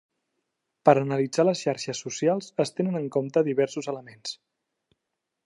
Per analitzar les xarxes socials es tenen en compte diversos elements.